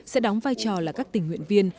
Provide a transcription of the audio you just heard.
sẽ đóng vai trò là các tình nguyện viên